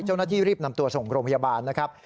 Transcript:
เจ้าหน้าที่รีบนำตัวส่งโรงพยาบาลนะครับ